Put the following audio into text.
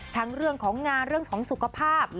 ทั้งเรื่องของงานส่วนสุขภาพ